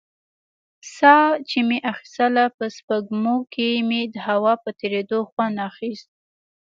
ساه چې مې اخيستله په سپږمو کښې مې د هوا په تېرېدو خوند اخيست.